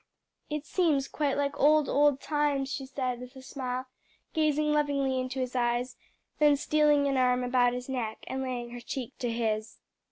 "It seems quite like old, old times," she said with a smile, gazing lovingly into his eyes, then stealing an arm about his neck and laying her cheek to his.